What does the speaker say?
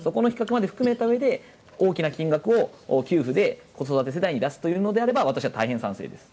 そこの比較まで含めて大きな金額を給付で子育て世代に出すというのであれば私は大変賛成です。